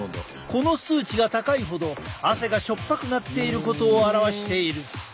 この数値が高いほど汗が塩っぱくなっていることを表している。